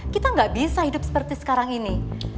kita nggak bisa hidup seperti sekarang ini